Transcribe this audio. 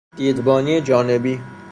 دیدبانی جانبی